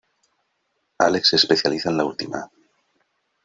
Alex se especializa en la última.